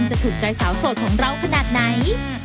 จะถูกใจสาวโสดของเราขนาดไหน